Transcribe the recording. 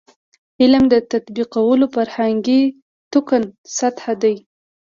عملي تطبیقولو فرهنګي تکون سطح دی.